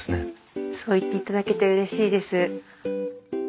そう言っていただけてうれしいです。